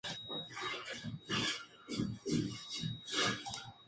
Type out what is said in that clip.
Genesis jamás ha interpretado esta canción en vivo en ninguna de sus giras.